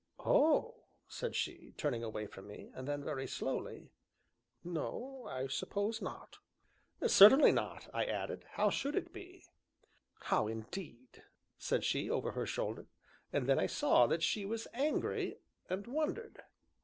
"Oh!" said she, turning away from me; and then, very slowly: "No, I suppose not." "Certainly not," I added; "how should it be?" "How indeed!" said she, over her shoulder. And then I saw that she was angry, and wondered.